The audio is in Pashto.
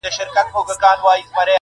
خو درد بې ځوابه پاتې کيږي تل,